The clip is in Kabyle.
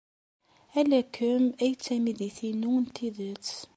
Ala kemm ay d tamidit-inu n tidet.